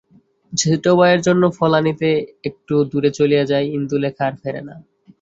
ছোট ভাইয়ের জন্য ফল আনিতে একটু দূরে চলিয়া যাইয়া ইন্দুলেখা আর ফেরে না।